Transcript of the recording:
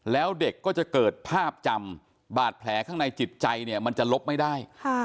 แล้วเด็กก็จะเกิดภาพจำบาดแผลข้างในจิตใจเนี่ยมันจะลบไม่ได้